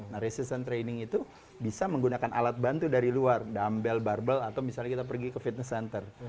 nah resistant training itu bisa menggunakan alat bantu dari luar dumbele barbel atau misalnya kita pergi ke fitnes center